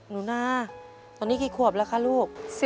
นูน่าร่ะลูกตอนนี้กี่ขวบละคะลูก